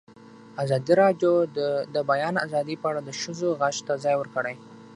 ازادي راډیو د د بیان آزادي په اړه د ښځو غږ ته ځای ورکړی.